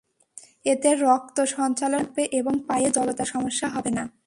এতে রক্ত সঞ্চালন ঠিক থাকবে এবং পায়ে জড়তার সমস্যা হবে না।